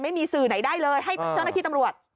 ไม่มีสื่อไหนได้เลยให้เจ้าหน้าที่ตำรวจ